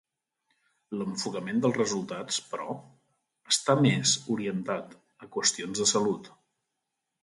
L'enfocament dels resultats, però, està més orientat a qüestions de salut.